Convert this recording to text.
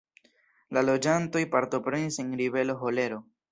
La loĝantoj partoprenis en ribelo ĥolero.